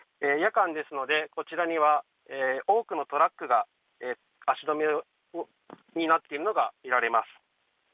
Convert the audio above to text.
夜間ですのでこちらには多くのトラックが足止めになっているのが見られます。